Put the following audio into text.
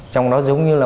trong đó giống như là